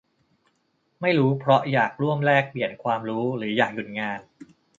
ไม่รู้เพราะอยากร่วมแลกเปลี่ยนความรู้ หรืออยากหยุดงาน